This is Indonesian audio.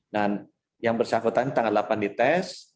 dan yang bersangkutan tanggal delapan dites